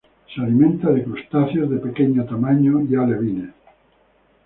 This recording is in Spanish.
Se alimenta de crustáceos de pequeño tamaño y alevines.